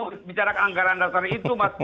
bosan saya mau bicara anggaran dasar itu mas